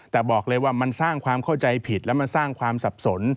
แต่บอกเลยว่ามันสร้างความเข้าใจผิดและมันสร้างความสับสน